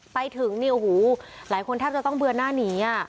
ไปถึงเนี่ยโอ้โหหลายคนแทบจะต้องเบือนหน้าหนีอ่ะ